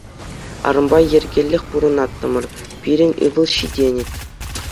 Арӑмпа йӗркеллех пурӑнаттӑмӑр, пирӗн ывӑл ҫитӗнет.